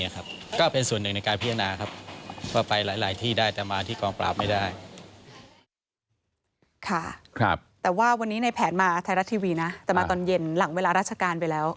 แต่ว่าวันนี้ในแผนมาไทยรัฐทีวีนะแต่มาตอนเย็นหลังเวลาราชการไปแล้ว